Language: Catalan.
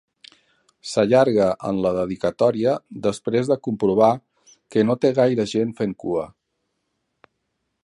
S'allarga en la dedicatòria després de comprovar que no té gaire gent fent cua.